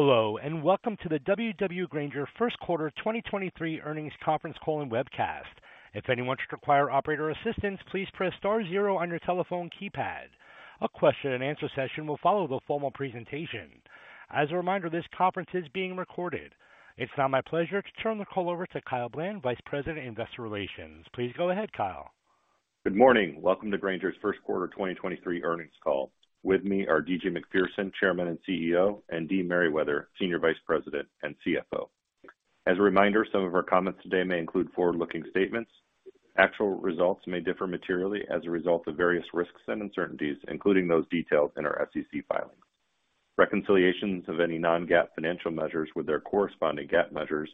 Hello, welcome to the W.W. Grainger first quarter 2023 earnings conference call and webcast. If anyone should require operator assistance, please press star zero on your telephone keypad. A question-and-answer session will follow the formal presentation. As a reminder, this conference is being recorded. It's now my pleasure to turn the call over to Kyle Bland, Vice President, Investor Relations. Please go ahead, Kyle. Good morning. Welcome to Grainger's first quarter 2023 earnings call. With me are D.G. Macpherson, Chairman and CEO, and Dee Merriwether, Senior Vice President and CFO. As a reminder, some of our comments today may include forward-looking statements. Actual results may differ materially as a result of various risks and uncertainties, including those details in our SEC filings. Reconciliations of any non-GAAP financial measures with their corresponding GAAP measures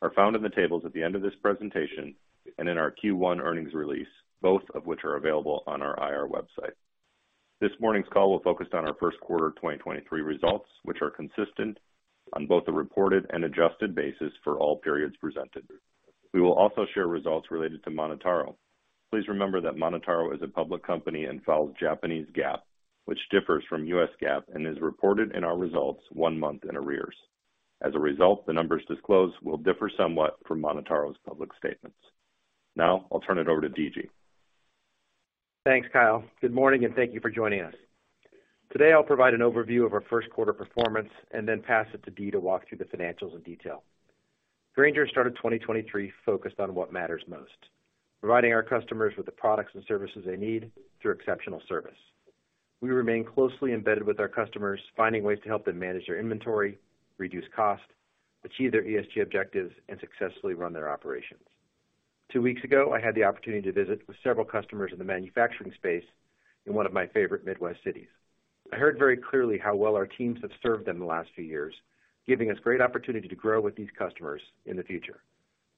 are found in the tables at the end of this presentation and in our Q1 earnings release, both of which are available on our I.R. website. This morning's call will focus on our first quarter 2023 results, which are consistent on both the reported and adjusted basis for all periods presented. We will also share results related to MonotaRO. Please remember that MonotaRO is a public company and files Japanese GAAP, which differs from U.S. GAAP and is reported in our results one month in arrears. As a result, the numbers disclosed will differ somewhat from MonotaRO's public statements. Now, I'll turn it over to D.G. Thanks, Kyle. Good morning and thank you for joining us. Today, I'll provide an overview of our first quarter performance and then pass it to Dee to walk through the financials in detail. Grainger started 2023 focused on what matters most, providing our customers with the products and services they need through exceptional service. We remain closely embedded with our customers, finding ways to help them manage their inventory, reduce cost, achieve their ESG objectives, and successfully run their operations. Two weeks ago, I had the opportunity to visit with several customers in the manufacturing space in one of my favorite Midwest cities. I heard very clearly how well our teams have served them the last few years, giving us great opportunity to grow with these customers in the future.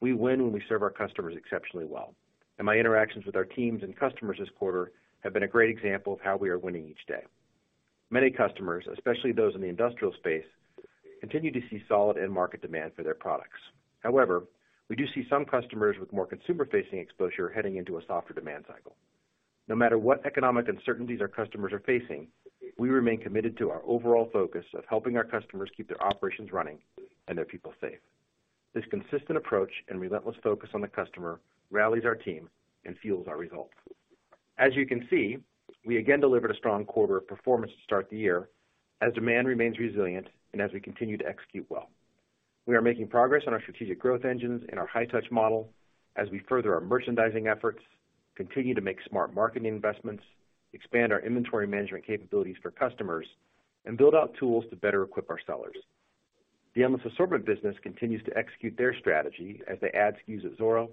We win when we serve our customers exceptionally well. My interactions with our teams and customers this quarter have been a great example of how we are winning each day. Many customers, especially those in the industrial space, continue to see solid end market demand for their products. However, we do see some customers with more consumer-facing exposure heading into a softer demand cycle. No matter what economic uncertainties our customers are facing, we remain committed to our overall focus of helping our customers keep their operations running and their people safe. This consistent approach and relentless focus on the customer rallies our team and fuels our results. As you can see, we again delivered a strong quarter of performance to start the year as demand remains resilient and as we continue to execute well. We are making progress on our strategic growth engines and our high touch model as we further our merchandising efforts, continue to make smart marketing investments, expand our inventory management capabilities for customers, and build out tools to better equip our sellers. The Endless Assortment business continues to execute their strategy as they add SKUs at Zoro,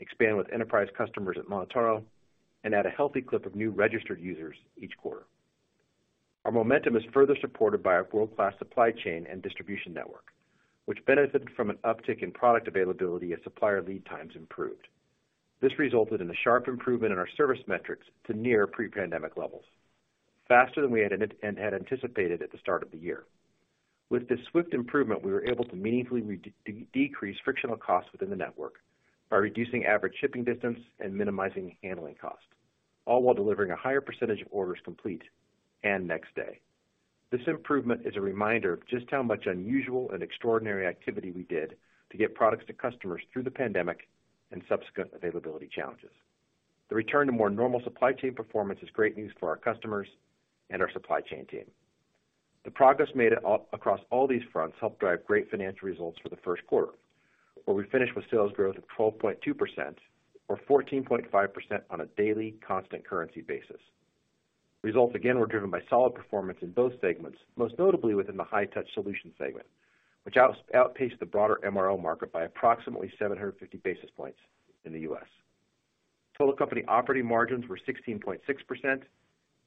expand with enterprise customers at MonotaRO, and add a healthy clip of new registered users each quarter. Our momentum is further supported by our world-class supply chain and distribution network, which benefited from an uptick in product availability as supplier lead times improved. This resulted in a sharp improvement in our service metrics to near pre-pandemic levels, faster than we had anticipated at the start of the year. With this swift improvement, we were able to meaningfully decrease frictional costs within the network by reducing average shipping distance and minimizing handling costs, all while delivering a higher percentage of orders complete and next day. This improvement is a reminder of just how much unusual and extraordinary activity we did to get products to customers through the pandemic and subsequent availability challenges. The return to more normal supply chain performance is great news for our customers and our supply chain team. The progress made across all these fronts helped drive great financial results for the first quarter, where we finished with sales growth of 12.2% or 14.5% on a daily constant currency basis. Results again were driven by solid performance in both segments, most notably within the High-Touch Solutions segment, which outpaced the broader MRO market by approximately 750 basis points in the U.S. Total company operating margins were 16.6%,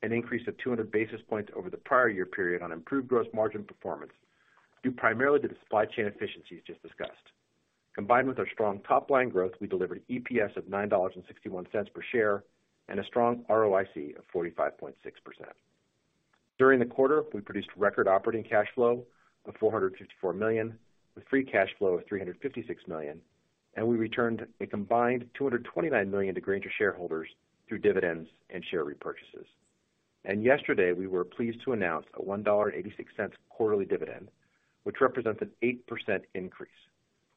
an increase of 200 basis points over the prior year period on improved gross margin performance, due primarily to the supply chain efficiencies just discussed. Combined with our strong top-line growth, we delivered EPS of $9.61 per share and a strong ROIC of 45.6%. During the quarter, we produced record operating cash flow of $454 million, with free cash flow of $356 million, and we returned a combined $229 million to Grainger shareholders through dividends and share repurchases. Yesterday, we were pleased to announce a $1.86 quarterly dividend, which represents an 8% increase.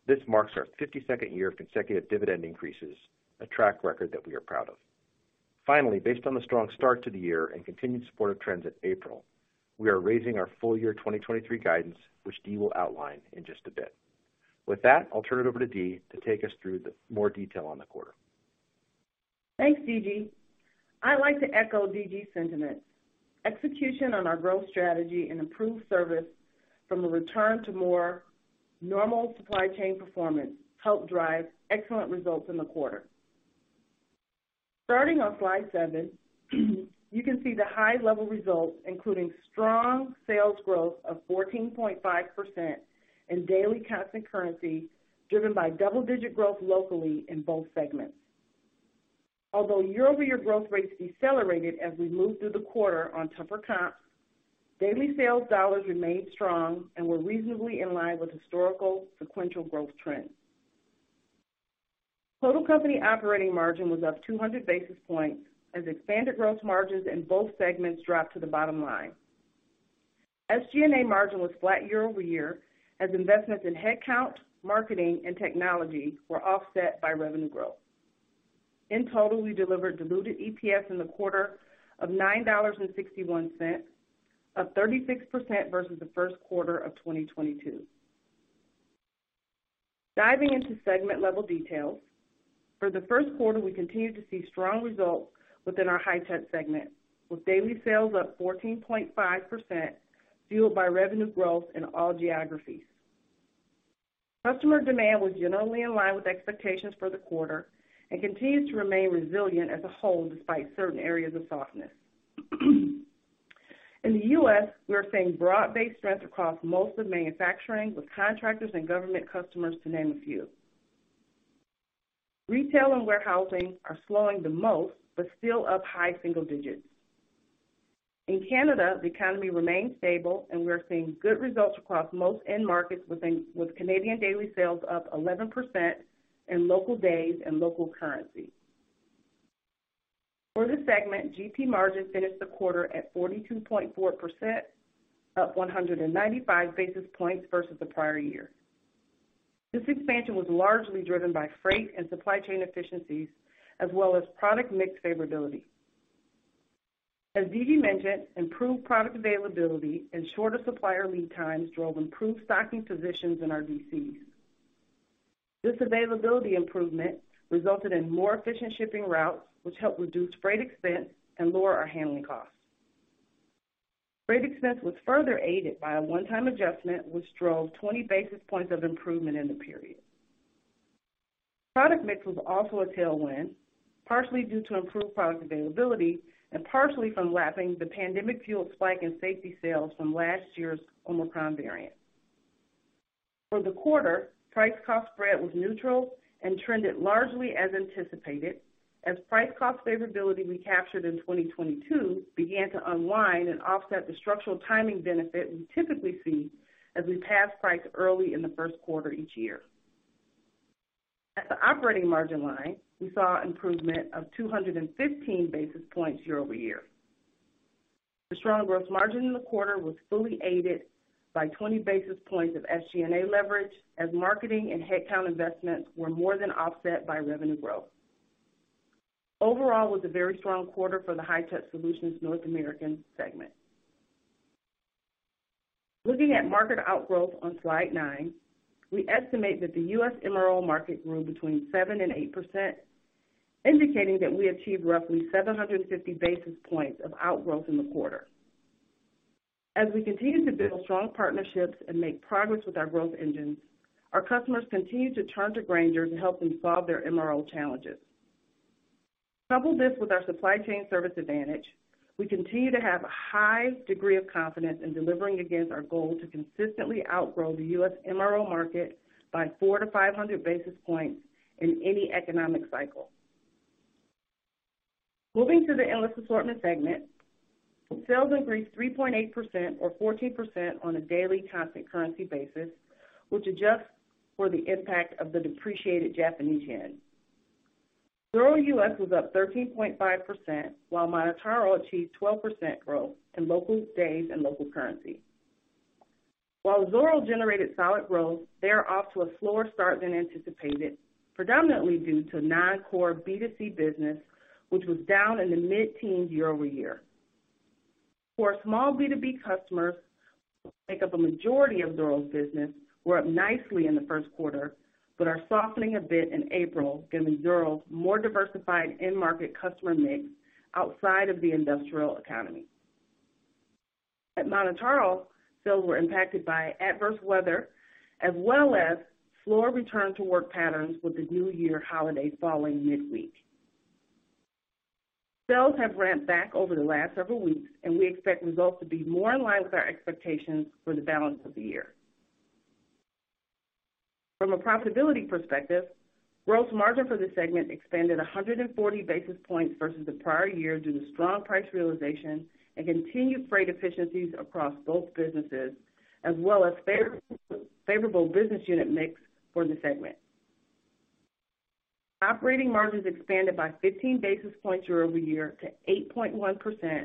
This marks our 52nd year of consecutive dividend increases, a track record that we are proud of. Based on the strong start to the year and continued supportive trends in April, we are raising our full year 2023 guidance, which Dee will outline in just a bit. That, I'll turn it over to Dee to take us through the more detail on the quarter. Thanks, D.G. I'd like to echo D.G.'s sentiments. Execution on our growth strategy and improved service from a return to more normal supply chain performance helped drive excellent results in the quarter. Starting on slide seven, you can see the high-level results, including strong sales growth of 14.5% and daily constant currency driven by double-digit growth locally in both segments. Although year-over-year growth rates decelerated as we moved through the quarter on tougher comps, daily sales dollars remained strong and were reasonably in line with historical sequential growth trends. Total company operating margin was up 200 basis points as expanded gross margins in both segments dropped to the bottom line. SG&A margin was flat year-over-year as investments in headcount, marketing, and technology were offset by revenue growth. In total, we delivered diluted EPS in the quarter of $9.61, up 36% versus the first quarter of 2022. Diving into segment level details. For the first quarter, we continued to see strong results within our High-Touch Solutions segment, with daily sales up 14.5%, fueled by revenue growth in all geographies. Customer demand was generally in line with expectations for the quarter and continues to remain resilient as a whole, despite certain areas of softness. In the U.S., we are seeing broad-based strength across most of manufacturing, with contractors and government customers to name a few. Retail and warehousing are slowing the most, still up high single digits. In Canada, the economy remains stable, we're seeing good results across most end markets with Canadian daily sales up 11% in local days and local currency. For the segment, GP margin finished the quarter at 42.4%, up 195 basis points versus the prior year. This expansion was largely driven by freight and supply chain efficiencies as well as product mix favorability. As D.G. mentioned, improved product availability and shorter supplier lead times drove improved stocking positions in our DCs. This availability improvement resulted in more efficient shipping routes, which helped reduce freight expense and lower our handling costs. Freight expense was further aided by a one-time adjustment, which drove 20 basis points of improvement in the period. Product mix was also a tailwind, partially due to improved product availability and partially from lapping the pandemic-fueled spike in safety sales from last year's Omicron variant. For the quarter, price cost spread was neutral and trended largely as anticipated. As price cost favorability we captured in 2022 began to unwind and offset the structural timing benefit we typically see as we pass price early in the first quarter each year. At the operating margin line, we saw improvement of 215 basis points year-over-year. The strong gross margin in the quarter was fully aided by 20 basis points of SG&A leverage, as marketing and headcount investments were more than offset by revenue growth. Overall, it was a very strong quarter for the High-Touch Solutions North American segment. Looking at market outgrowth on slide nine, we estimate that the U.S. MRO market grew between 7% and 8%, indicating that we achieved roughly 750 basis points of outgrowth in the quarter. As we continue to build strong partnerships and make progress with our growth engines, our customers continue to turn to Grainger to help them solve their MRO challenges. Couple this with our supply chain service advantage, we continue to have a high degree of confidence in delivering against our goal to consistently outgrow the U.S. MRO market by 400-500 basis points in any economic cycle. Moving to the Endless Assortment segment, sales increased 3.8% or 14% on a daily constant currency basis, which adjusts for the impact of the depreciated Japanese yen. Zoro U.S. was up 13.5%, while MonotaRO achieved 12% growth in local days and local currency. While Zoro generated solid growth, they are off to a slower start than anticipated, predominantly due to non-core B2C business, which was down in the mid-teens year-over-year. For small B2B customers, make up a majority of Zoro's business, were up nicely in the first quarter, but are softening a bit in April, giving Zoro more diversified end market customer mix outside of the industrial economy. At MonotaRO, sales were impacted by adverse weather as well as slower return to work patterns with the new year holiday falling midweek. Sales have ramped back over the last several weeks. We expect results to be more in line with our expectations for the balance of the year. From a profitability perspective, gross margin for the segment expanded 140 basis points versus the prior year due to strong price realization and continued freight efficiencies across both businesses, as well as favorable business unit mix for the segment. Operating margins expanded by 15 basis points year-over-year to 8.1%,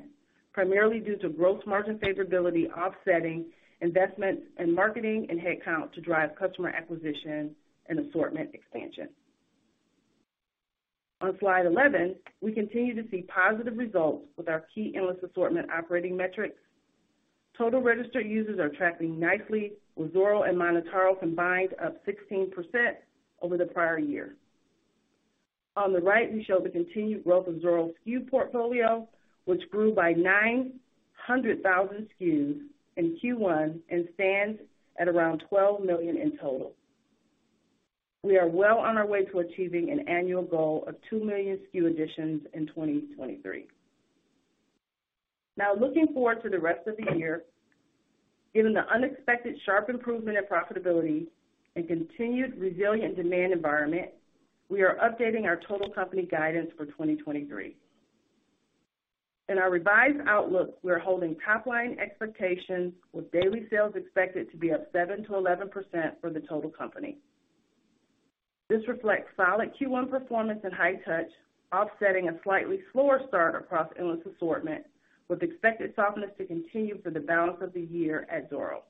primarily due to gross margin favorability offsetting investments in marketing and headcount to drive customer acquisition and assortment expansion. On slide 11, we continue to see positive results with our key Endless Assortment operating metrics. Total registered users are tracking nicely, with Zoro and MonotaRO combined up 16% over the prior year. On the right, we show the continued growth of Zoro's SKU portfolio, which grew by 900,000 SKUs in Q1 and stands at around 12 million in total. We are well on our way to achieving an annual goal of 2 million SKU additions in 2023. Looking forward to the rest of the year, given the unexpected sharp improvement in profitability and continued resilient demand environment, we are updating our total company guidance for 2023. In our revised outlook, we're holding top line expectations with daily sales expected to be up 7%-11% for the total company. This reflects solid Q1 performance in High-Touch Solutions, offsetting a slightly slower start across Endless Assortment, with expected softness to continue for the balance of the year at Zoro.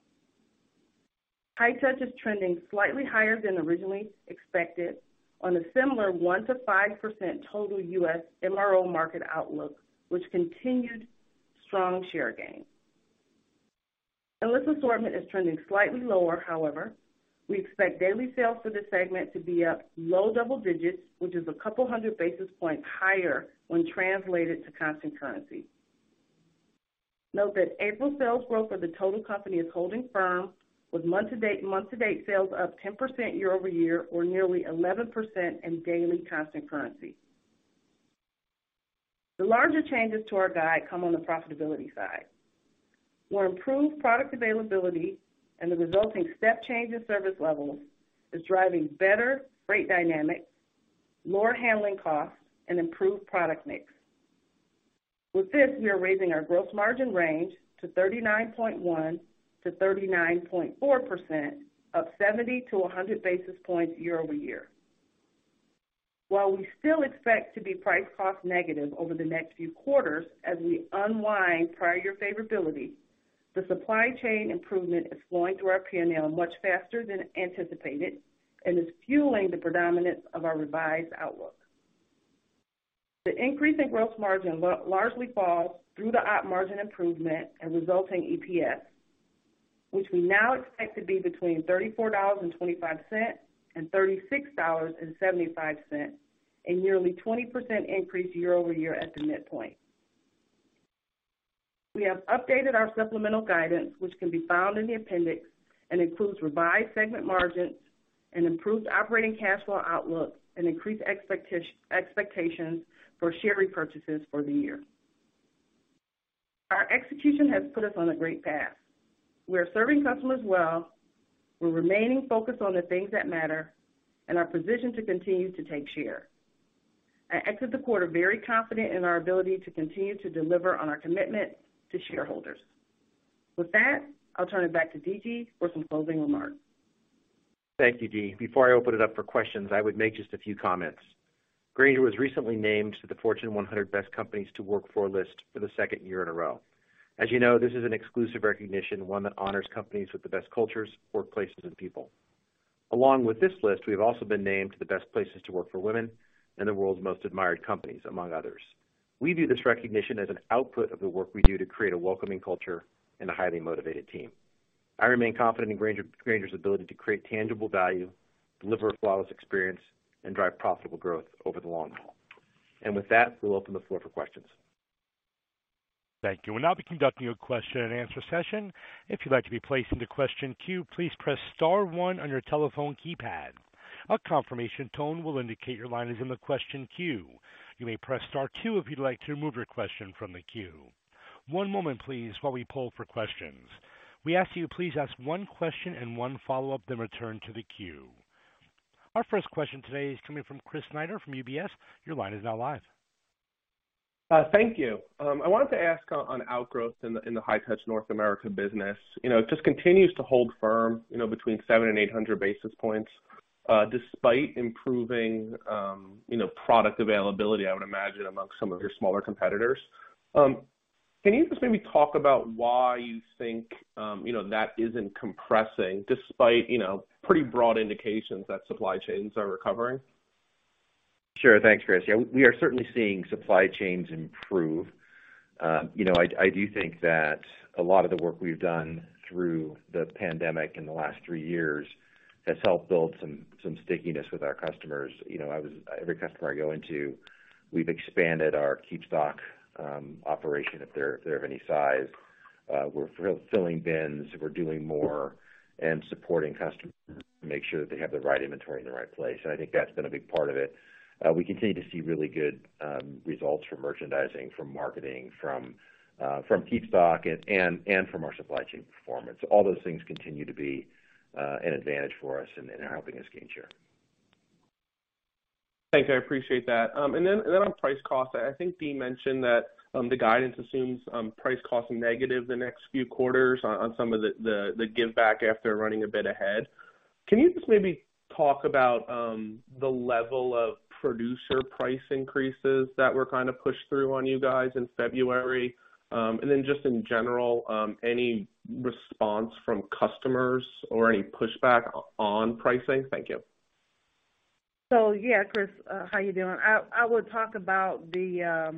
High-Touch Solutions is trending slightly higher than originally expected on a similar 1%-5% total U.S. MRO market outlook, with continued strong share gains. Endless Assortment is trending slightly lower, however. We expect daily sales for this segment to be up low double digits, which is a couple hundred basis points higher when translated to constant currency. Note that April sales growth for the total company is holding firm with month-to-date sales up 10% year-over-year, or nearly 11% in daily constant currency. The larger changes to our guide come on the profitability side, where improved product availability and the resulting step change in service levels is driving better rate dynamics, lower handling costs and improved product mix. With this, we are raising our gross margin range to 39.1%-39.4%, up 70-100 basis points year-over-year. While we still expect to be price cost negative over the next few quarters as we unwind prior year favorability, the supply chain improvement is flowing through our PNL much faster than anticipated and is fueling the predominance of our revised outlook. The increase in gross margin largely falls through the op margin improvement and resulting EPS, which we now expect to be between $34.25 and $36.75, a nearly 20% increase year-over-year at the midpoint. We have updated our supplemental guidance, which can be found in the appendix and includes revised segment margins and improved operating cash flow outlook and increased expectations for share repurchases for the year. Our execution has put us on a great path. We are serving customers well. We're remaining focused on the things that matter and are positioned to continue to take share. I exit the quarter very confident in our ability to continue to deliver on our commitment to shareholders. I'll turn it back to D.G. for some closing remarks. Thank you, Dee. Before I open it up for questions, I would make just a few comments. Grainger was recently named to the Fortune 100 Best Companies to Work For list for the second year in a row. As you know, this is an exclusive recognition, one that honors companies with the best cultures, workplaces, and people. Along with this list, we have also been named the Best Places to Work for Women and the world's most admired companies, among others. We view this recognition as an output of the work we do to create a welcoming culture and a highly motivated team. I remain confident in Grainger's ability to create tangible value, deliver a flawless experience and drive profitable growth over the long haul. With that, we'll open the floor for questions. Thank you. We'll now be conducting a question and answer session. If you'd like to be placed into question queue, please press star one on your telephone keypad. A confirmation tone will indicate your line is in the question queue. You may press star two if you'd like to remove your question from the queue. One moment please while we poll for questions. We ask you please ask one question and one follow-up, then return to the queue. Our first question today is coming from Chris Snyder from UBS. Your line is now live. Thank you. I wanted to ask on outgrowth in the High-Touch Solutions North America business. You know, it just continues to hold firm, you know, between 700 and 800 basis points, despite improving, you know, product availability, I would imagine, amongst some of your smaller competitors. Can you just maybe talk about why you think, you know, that isn't compressing despite, you know, pretty broad indications that supply chains are recovering? Sure. Thanks, Chris. Yeah, we are certainly seeing supply chains improve. You know, I do think that a lot of the work we've done through the pandemic in the last three years has helped build some stickiness with our customers. You know, every customer I go into, we've expanded our KeepStock operation, if they're of any size. We're filling bins. We're doing more and supporting customers to make sure they have the right inventory in the right place. I think that's been a big part of it. We continue to see really good results from merchandising, from marketing, from KeepStock and from our supply chain performance. All those things continue to be an advantage for us and are helping us gain share. Thanks. I appreciate that. On price cost, I think Dee mentioned that the guidance assumes price cost negative the next few quarters on some of the give back after running a bit ahead. Can you just maybe talk about the level of producer price increases that were kind of pushed through on you guys in February? Just in general, any response from customers or any pushback on pricing? Thank you. Yeah, Chris, how you doing? I would talk about the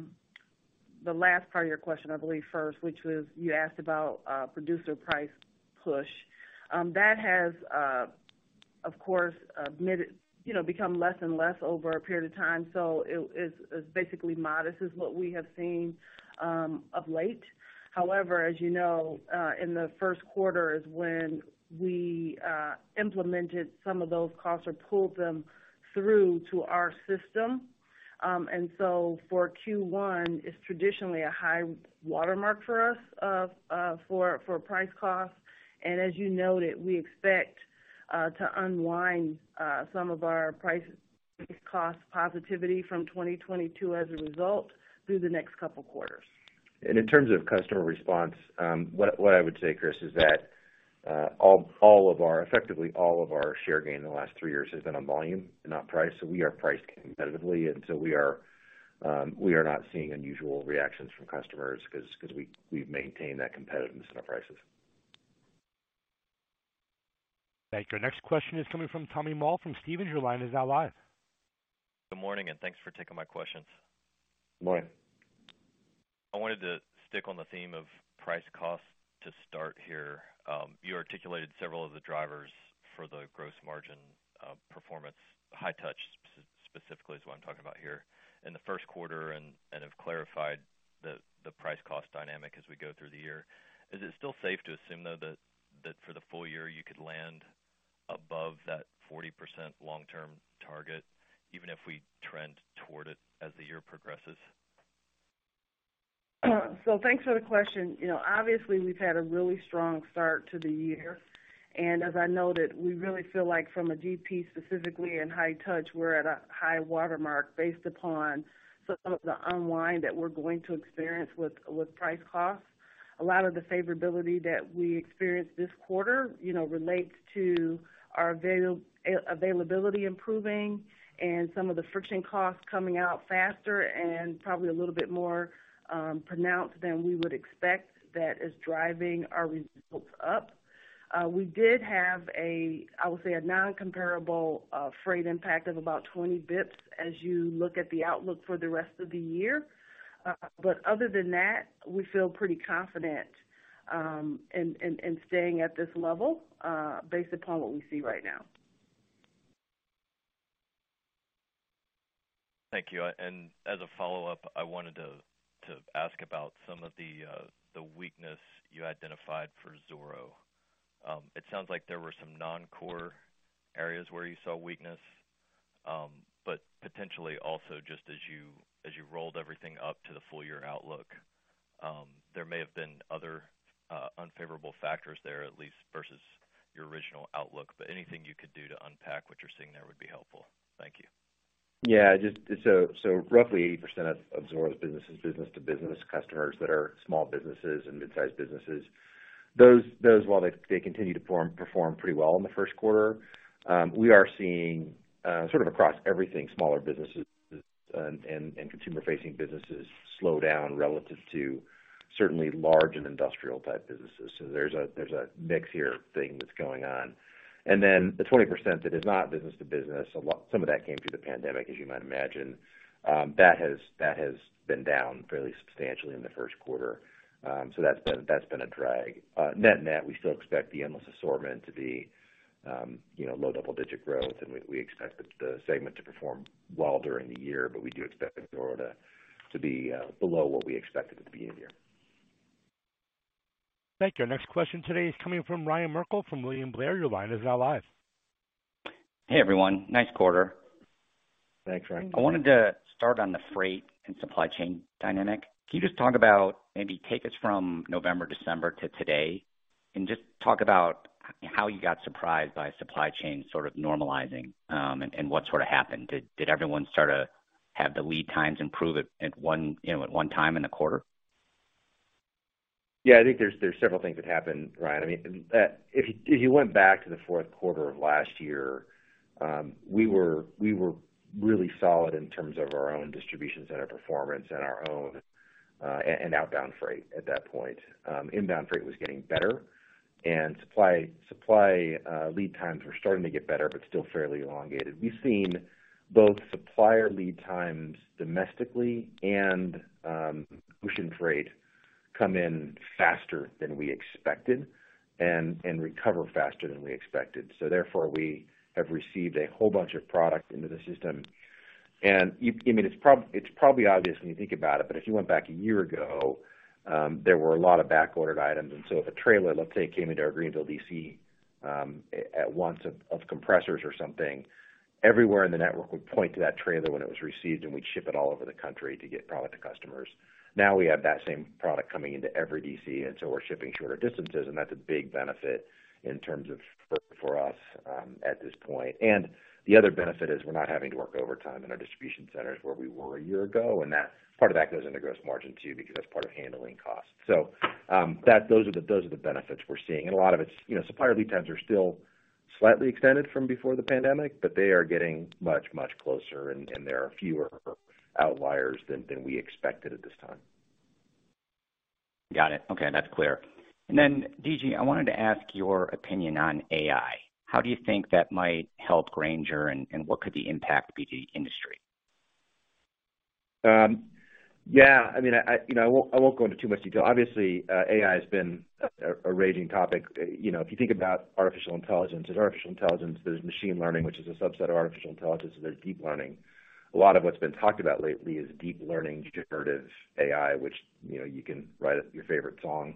last part of your question, I believe first, which was you asked about producer price push. That has, of course, made it, you know, become less and less over a period of time. It is, basically modest is what we have seen of late. However, as you know, in the first quarter is when we implemented some of those costs or pulled them through to our system. For Q1, it's traditionally a high watermark for us for price cost. As you noted, we expect to unwind some of our price cost positivity from 2022 as a result through the next couple quarters. In terms of customer response, what I would say, Chris, is that all of our, effectively all of our share gain in the last three years has been on volume, not price. We are priced competitively, we are not seeing unusual reactions from customers 'cause we've maintained that competitiveness in our prices. Thank you. Our next question is coming from Tommy Moll from Stephens. Your line is now live. Good morning. Thanks for taking my questions. Morning. I wanted to stick on the theme of price cost to start here. You articulated several of the drivers for the gross margin performance, High-Touch Solutions specifically is what I'm talking about here, in the first quarter and have clarified the price cost dynamic as we go through the year. Is it still safe to assume, though, that for the full year, you could land above that 40% long-term target, even if we trend toward it as the year progresses? Thanks for the question. You know, obviously we've had a really strong start to the year. As I noted, we really feel like from a GP specifically in High-Touch Solutions, we're at a high watermark based upon some of the unwind that we're going to experience with price costs. A lot of the favorability that we experienced this quarter, you know, relates to our availability improving and some of the friction costs coming out faster and probably a little bit more pronounced than we would expect that is driving our results up. We did have a, I would say, a non-comparable freight impact of about 20 basis points as you look at the outlook for the rest of the year. Other than that, we feel pretty confident in staying at this level based upon what we see right now. Thank you. As a follow-up, I wanted to ask about some of the weakness you identified for Zoro. It sounds like there were some non-core areas where you saw weakness, but potentially also just as you, as you rolled everything up to the full year outlook, there may have been other unfavorable factors there, at least versus your original outlook. Anything you could do to unpack what you're seeing there would be helpful. Thank you. Just so roughly 80% of Zoro's business is B2B customers that are small businesses and mid-sized businesses. Those, while they continue to perform pretty well in the first quarter, we are seeing sort of across everything, smaller businesses and consumer-facing businesses slow down relative to certainly large and industrial type businesses. There's a, there's a mix here thing that's going on. Then the 20% that is not B2B, some of that came through the pandemic, as you might imagine, that has been down fairly substantially in the first quarter. So that's been a drag. Net-net, we still expect the Endless Assortment to be, you know, low double-digit growth. We expect the segment to perform well during the year, but we do expect Zoro to be below what we expected at the beginning of the year. Thank you. Our next question today is coming from Ryan Merkel from William Blair. Your line is now live. Hey everyone. Nice quarter. Thanks, Ryan. I wanted to start on the freight and supply chain dynamic. Can you just talk about, maybe take us from November, December to today, and just talk about how you got surprised by supply chain sort of normalizing, and what sort of happened. Did everyone start to have the lead times improve at one, you know, at one time in the quarter? Yeah. I think there's several things that happened, Ryan. I mean, if you went back to the fourth quarter of last year, we were really solid in terms of our own distribution center performance and our own and outbound freight at that point. Inbound freight was getting better and supply lead times were starting to get better but still fairly elongated. We've seen both supplier lead times domestically and ocean freight come in faster than we expected and recover faster than we expected. Therefore, we have received a whole bunch of product into the system. You, I mean, it's probably obvious when you think about it, but if you went back a year ago, there were a lot of back-ordered items. If a trailer, let's say, came into our Greenville DC, at once of compressors or something, everywhere in the network would point to that trailer when it was received, and we'd ship it all over the country to get product to customers. Now we have that same product coming into every DC, and so we're shipping shorter distances, and that's a big benefit in terms of freight for us, at this point. The other benefit is we're not having to work overtime in our distribution centers where we were a year ago, and that part of that goes into gross margin too, because that's part of handling costs. Those are the benefits we're seeing. A lot of it's, you know, supplier lead times are still slightly extended from before the pandemic, but they are getting much, much closer and there are fewer outliers than we expected at this time. Got it. Okay. That's clear. D.G., I wanted to ask your opinion on AI. How do you think that might help Grainger and what could the impact be to industry? Yeah. I mean, I, you know, I won't go into too much detail. Obviously, AI has been a raging topic. You know, if you think about artificial intelligence, there's artificial intelligence, there's machine learning, which is a subset of artificial intelligence, so there's deep learning. A lot of what's been talked about lately is deep learning Generative AI, which, you know, you can write your favorite song.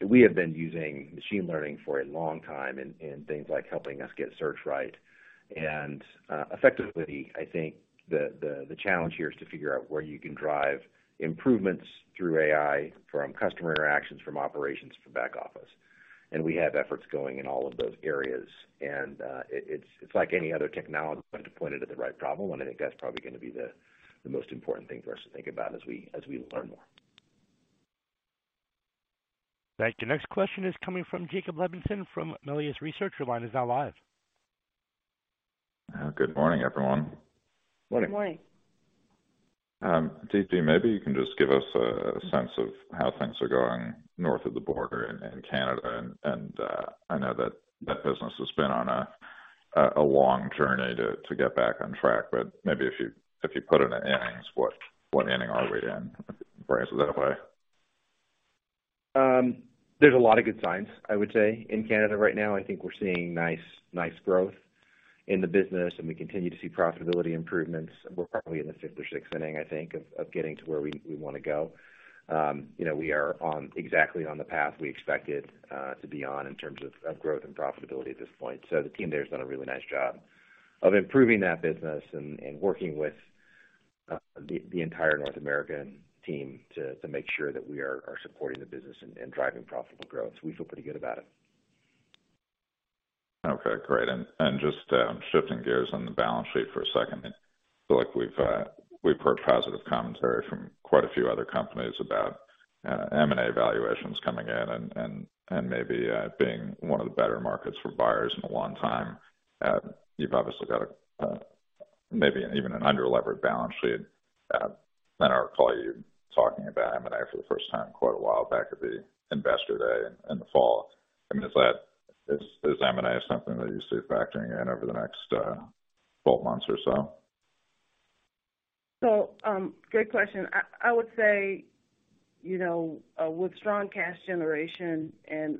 We have been using machine learning for a long time in things like helping us get search right. Effectively, I think the challenge here is to figure out where you can drive improvements through AI from customer interactions, from operations to back office. We have efforts going in all of those areas. It's like any other technology, you have to point it at the right problem, and I think that's probably gonna be the most important thing for us to think about as we, as we learn more. Thank you. Next question is coming from Jacob Levinson from Melius Research. Your line is now live. Good morning, everyone. Morning. Good morning. D.G., maybe you can just give us a sense of how things are going north of the border in Canada. I know that that business has been on a long journey to get back on track, but maybe if you put it in innings, what inning are we in? If you can phrase it that way. There's a lot of good signs, I would say, in Canada right now. I think we're seeing nice growth in the business. We continue to see profitability improvements. We're probably in the fifth or sixth inning, I think, of getting to where we wanna go. You know, we are exactly on the path we expected to be on in terms of growth and profitability at this point. The team there has done a really nice job of improving that business and working with the entire North American team to make sure that we are supporting the business and driving profitable growth. We feel pretty good about it. Okay, great. Just shifting gears on the balance sheet for a second. I feel like we've heard positive commentary from quite a few other companies about M&A valuations coming in and maybe being one of the better markets for buyers in a long time. You've obviously got a maybe even an under-levered balance sheet. I recall you talking about M&A for the first time in quite a while back at the Investor Day in the fall. I mean, is M&A something that you see factoring in over the next 12 months or so? Good question. I would say, you know, with strong cash generation and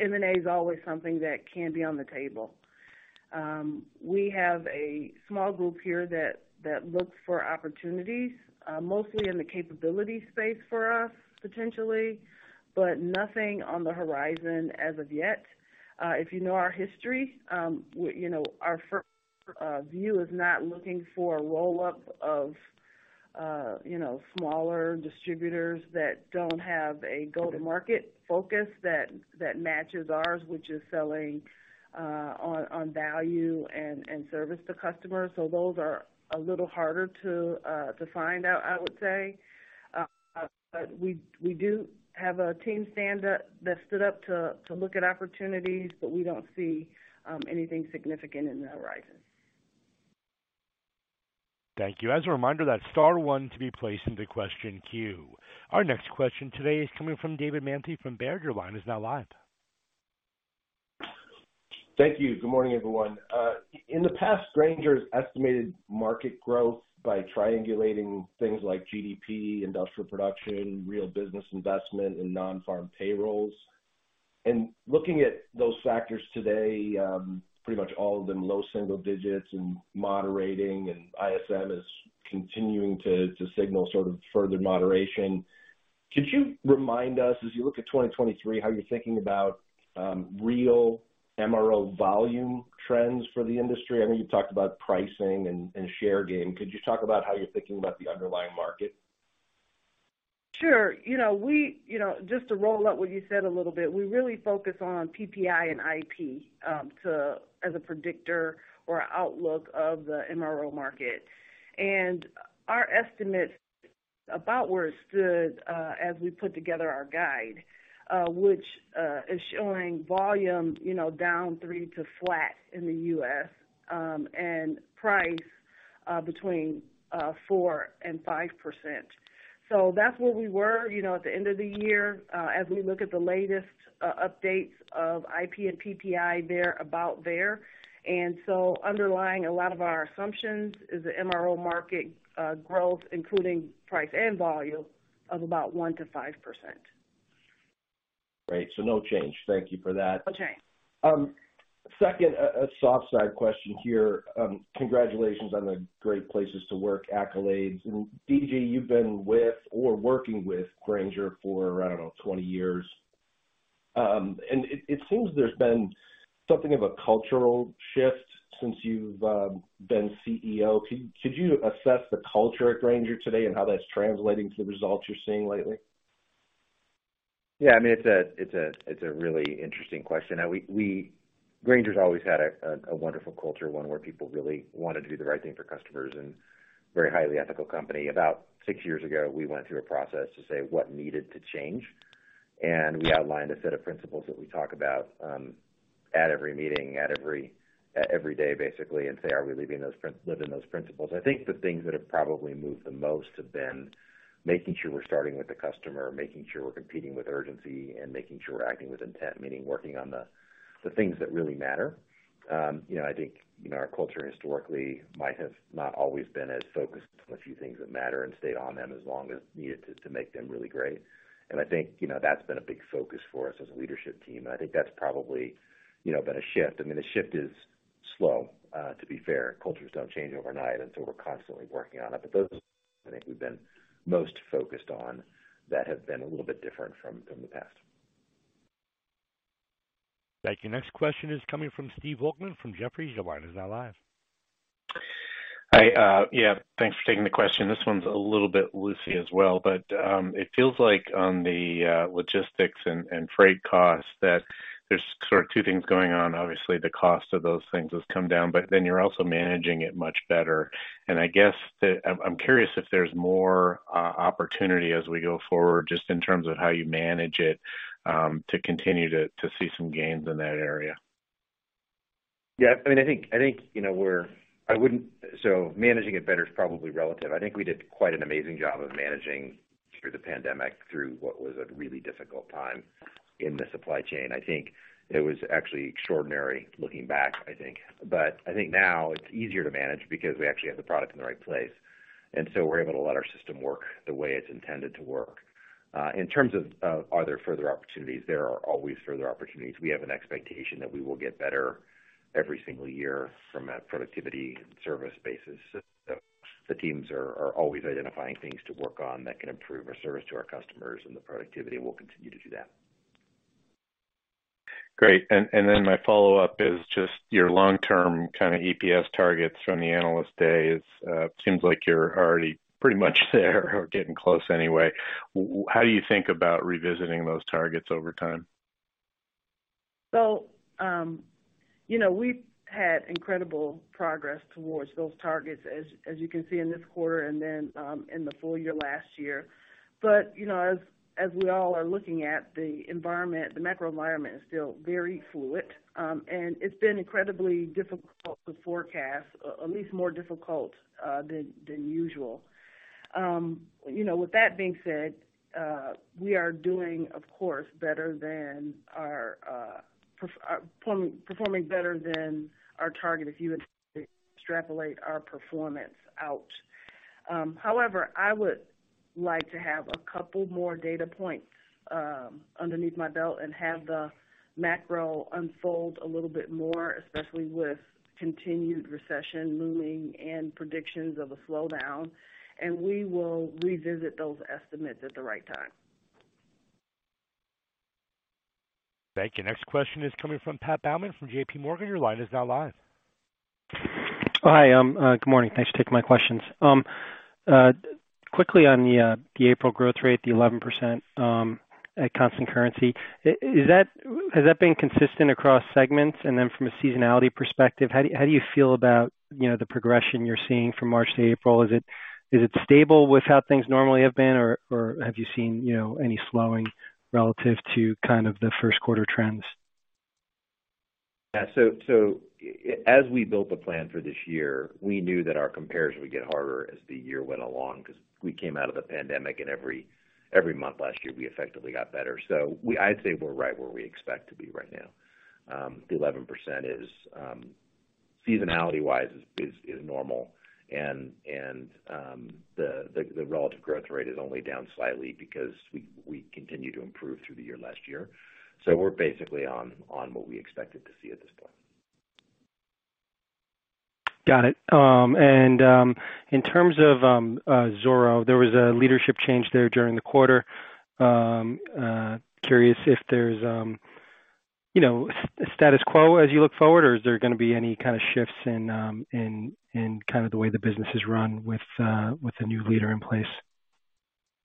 M&A is always something that can be on the table. We have a small group here that looks for opportunities, mostly in the capability space for us, potentially, but nothing on the horizon as of yet. If you know our history, we know our view is not looking for a roll-up of, you know, smaller distributors that don't have a go-to-market focus that matches ours, which is selling on value and service to customers. Those are a little harder to find out, I would say. But we do have a team that stood up to look at opportunities, but we don't see anything significant in the horizon. Thank you. As a reminder, that's star one to be placed into question queue. Our next question today is coming from David Manthey from Baird. Your line is now live. Thank you. Good morning, everyone. In the past, Grainger's estimated market growth by triangulating things like GDP, industrial production, real business investment and non-farm payrolls. Looking at those factors today, pretty much all of them low single digits and moderating. ISM is continuing to signal sort of further moderation. Could you remind us, as you look at 2023, how you're thinking about real MRO volume trends for the industry? I know you've talked about pricing and share gain. Could you talk about how you're thinking about the underlying market? Sure. You know, you know, just to roll up what you said a little bit, we really focus on PPI and IP as a predictor or outlook of the MRO market. Our estimates about where it stood as we put together our guide, which is showing volume, you know, down three to flat in the U.S., and price between 4% and 5%. That's where we were, you know, at the end of the year. As we look at the latest updates of IP and PPI, they're about there. Underlying a lot of our assumptions is the MRO market growth, including price and volume of about 1% to 5%. Great. No change. Thank you for that. No change. Second, a soft side question here. Congratulations on the Great Places to Work accolades. D.G., you've been with or working with Grainger for, I don't know, 20 years. It seems there's been something of a cultural shift since you've been CEO. Could you assess the culture at Grainger today and how that's translating to the results you're seeing lately? Yeah, I mean, it's a really interesting question. Now we Grainger's always had a wonderful culture, one where people really wanna do the right thing for customers and very highly ethical company. About six years ago, we went through a process to say what needed to change, and we outlined a set of principles that we talk about at every meeting, at every day, basically, and say, are we living those principles? I think the things that have probably moved the most have been making sure we're starting with the customer, making sure we're competing with urgency, and making sure we're acting with intent, meaning working on the things that really matter. You know, I think, you know, our culture historically might have not always been as focused on a few things that matter and stayed on them as long as needed to make them really great. I think, you know, that's been a big focus for us as a leadership team. I think that's probably, you know, been a shift. I mean, the shift is slow, to be fair. Cultures don't change overnight, we're constantly working on it. Those, I think we've been most focused on that have been a little bit different from the past. Thank you. Next question is coming from Steve Volkmann from Jefferies. Your line is now live. Hi. Yeah, thanks for taking the question. This one's a little bit loosey as well, but it feels like on the logistics and freight costs that there's sort of two things going on. Obviously, the cost of those things has come down. You're also managing it much better. I guess that I'm curious if there's more opportunity as we go forward just in terms of how you manage it to continue to see some gains in that area. Yeah, I mean, I think, you know, managing it better is probably relative. I think we did quite an amazing job of managing through the pandemic, through what was a really difficult time in the supply chain. I think it was actually extraordinary looking back, I think. I think now it's easier to manage because we actually have the product in the right place, and so we're able to let our system work the way it's intended to work. In terms of, are there further opportunities? There are always further opportunities. We have an expectation that we will get better every single year from a productivity and service basis. The teams are always identifying things to work on that can improve our service to our customers and the productivity, and we'll continue to do that. Great. My follow-up is just your long-term kinda EPS targets from the Investor Day is, seems like you're already pretty much there or getting close anyway. How do you think about revisiting those targets over time? You know, we've had incredible progress towards those targets as you can see in this quarter and then, in the full year last year. You know, as we all are looking at the environment, the macro environment is still very fluid, and it's been incredibly difficult to forecast, at least more difficult than usual. You know, with that being said, we are doing, of course, better than our performing better than our target if you would extrapolate our performance out. However, I would like to have a couple more data points underneath my belt and have the macro unfold a little bit more, especially with continued recession looming and predictions of a slowdown, and we will revisit those estimates at the right time. Thank you. Next question is coming from Pat Baumann from JPMorgan. Your line is now live. Hi, good morning. Thanks for taking my questions. Quickly on the April growth rate, the 11%, at constant currency. Has that been consistent across segments? From a seasonality perspective, how do you, how do you feel about, you know, the progression you're seeing from March to April? Is it stable with how things normally have been, or have you seen, you know, any slowing relative to kind of the first quarter trends? Yeah. As we built the plan for this year, we knew that our comparison would get harder as the year went along 'cause we came out of the pandemic, and every month last year, we effectively got better. I'd say we're right where we expect to be right now. The 11% is seasonality-wise is normal. The relative growth rate is only down slightly because we continued to improve through the year last year. We're basically on what we expected to see at this point. Got it. In terms of Zoro, there was a leadership change there during the quarter. Curious if there's, you know, status quo as you look forward, or is there gonna be any kinda shifts in kind of the way the business is run with the new leader in place?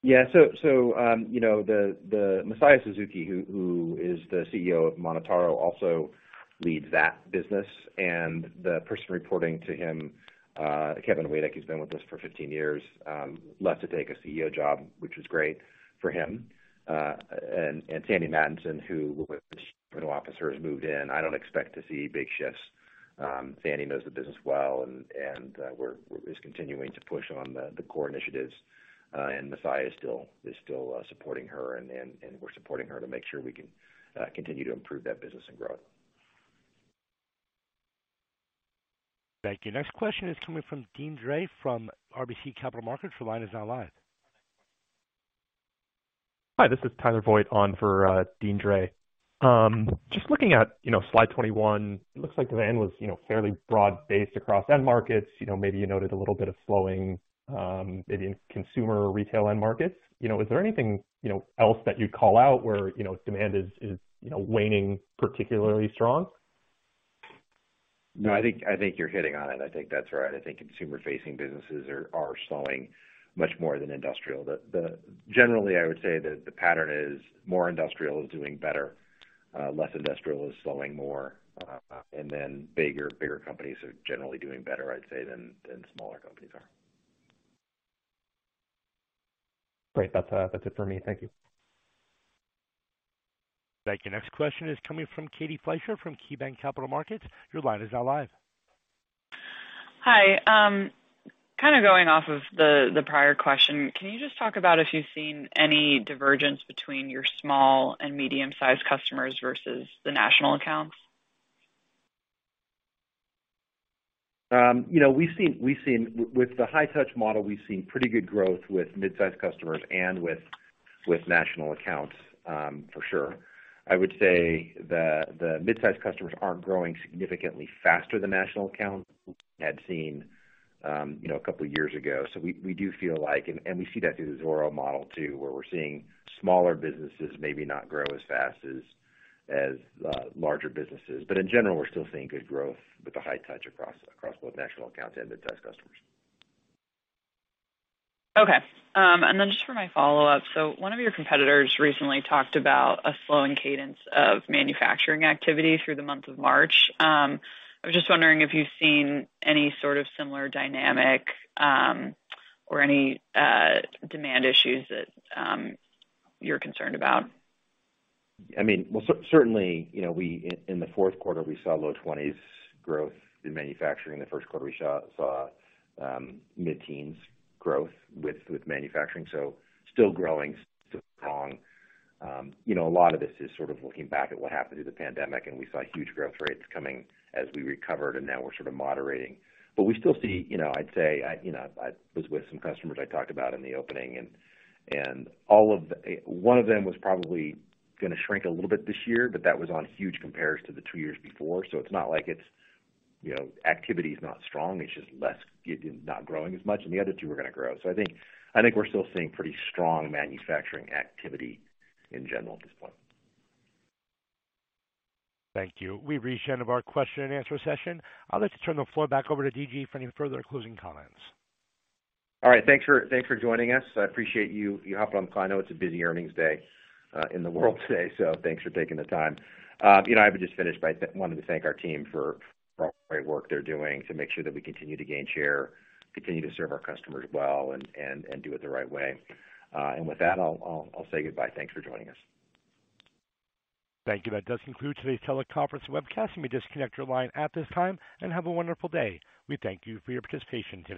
Yeah. So, you know, Masaya Suzuki, who is the CEO of MonotaRO, also leads that business. The person reporting to him, Kevin Weadick, he's been with us for 15 years, left to take a CEO job, which was great for him. And Sandy Mattinson, who was officer, has moved in. I don't expect to see big shifts. Sandy knows the business well and is continuing to push on the core initiatives. Masaya is still supporting her, and we're supporting her to make sure we can continue to improve that business and grow it. Thank you. Next question is coming from Deane Dray from RBC Capital Markets. Your line is now live. Hi, this is Tyler Voigt on for Deane Dray. Just looking at, you know, slide 21, it looks like demand was, you know, fairly broad-based across end markets. You know, maybe you noted a little bit of slowing, maybe in consumer or retail end markets. You know, is there anything, you know, else that you'd call out where, you know, demand is, you know, waning particularly strong? I think you're hitting on it. I think that's right. I think consumer-facing businesses are slowing much more than industrial. Generally, I would say that the pattern is more industrial is doing better, less industrial is slowing more, bigger companies are generally doing better, I'd say, than smaller companies are. Great. That's, that's it for me. Thank you. Thank you. Next question is coming from Katie Fleischer from KeyBanc Capital Markets. Your line is now live. Hi. kinda going off of the prior question, can you just talk about if you've seen any divergence between your small and medium-sized customers versus the national accounts? You know, we've seen with the High-Touch model, we've seen pretty good growth with mid-sized customers and with national accounts, for sure. I would say the mid-sized customers aren't growing significantly faster than national accounts had seen, you know, a couple years ago. We do feel like, we see that through the Zoro model too, where we're seeing smaller businesses maybe not grow as fast as larger businesses. In general, we're still seeing good growth with the High-Touch across both national accounts and mid-sized customers. Okay. Just for my follow-up. One of your competitors recently talked about a slowing cadence of manufacturing activity through the month of March. I was just wondering if you've seen any sort of similar dynamic, or any demand issues that you're concerned about? I mean, well, certainly, you know, In the fourth quarter, we saw low 20s growth in manufacturing. The first quarter, we saw mid-teens growth with manufacturing. Still growing strong. You know, a lot of this is sort of looking back at what happened through the pandemic, and we saw huge growth rates coming as we recovered, and now we're sort of moderating. We still see, you know, I'd say, you know, I was with some customers I talked about in the opening and all of one of them was probably gonna shrink a little bit this year, but that was on huge comparison to the two years before. It's not like it's, you know, activity is not strong, it's just less, not growing as much, and the other two are gonna grow. I think we're still seeing pretty strong manufacturing activity in general at this point. Thank you. We've reached the end of our question-and-answer session. I'd like to turn the floor back over to D.G. for any further closing comments. All right. Thanks for joining us. I appreciate you hopping on the call. I know it's a busy earnings day in the world today. Thanks for taking the time. You know, I would just finish by wanting to thank our team for all the great work they're doing to make sure that we continue to gain share, continue to serve our customers well, and do it the right way. With that, I'll say goodbye. Thanks for joining us. Thank you. That does conclude today's teleconference webcast. You may disconnect your line at this time and have a wonderful day. We thank you for your participation today.